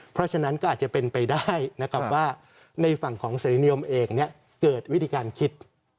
เพราะฉะนั้นก็อาจจะเป็นไปได้นะครับว่าในฝั่งของเสรีนิยมเองเกิดวิธีการคิด